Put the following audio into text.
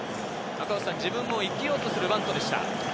自分も生きようとするバントでした。